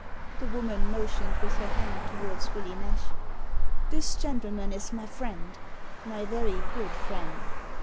The woman motioned with her hand towards Willie Nash. "This gentleman is my friend; my very good friend."